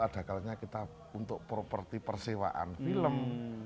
ada kalanya kita untuk properti persewaan film